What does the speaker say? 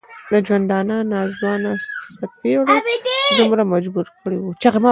د ژوندانه ناځوانه څپېړو دومره مجبور کړی و.